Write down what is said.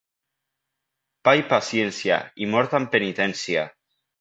Pa i paciència i mort amb penitència.